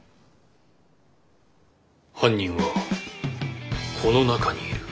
犯人はこの中にいる。